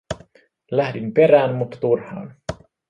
Lähdin perään, mutta turhaan.